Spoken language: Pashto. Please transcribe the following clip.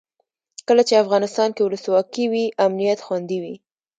کله چې افغانستان کې ولسواکي وي امنیت خوندي وي.